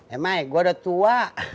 emang gue udah tua